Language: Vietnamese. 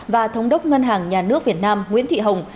và thống đốc ngân hàng nhà nước việt nam nguyễn thị hồng